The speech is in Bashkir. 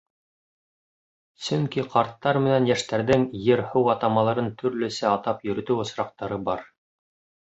Сөнки ҡарттар менән йәштәрҙең ер-һыу атамаларын төрлөсә атап йөрөтөү осраҡтары бар.